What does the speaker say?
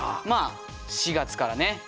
まあ４がつからね